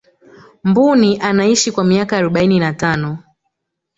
mbuni anaishi kwa miaka arobaini na tano